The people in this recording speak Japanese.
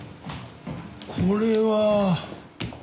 これは。